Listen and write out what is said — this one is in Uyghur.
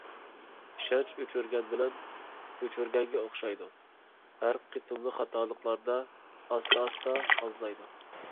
ئىشەنچ ئۆچۈرگۈچ بىلەن ئۆچۈرگەنگە ئوخشايدۇ، ھەر قېتىملىق خاتالىقلاردا ئاستا-ئاستا ئازلايدۇ.